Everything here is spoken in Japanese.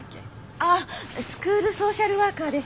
ああスクールソーシャルワーカーです。